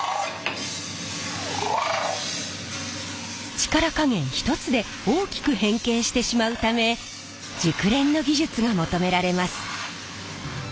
力加減一つで大きく変形してしまうため熟練の技術が求められます。